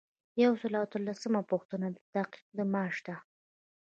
یو سل او اتلسمه پوښتنه د تحقیق د معاش ده.